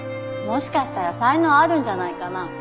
もしかしたら才能あるんじゃないかな？